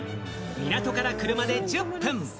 港から車でおよそ１０分。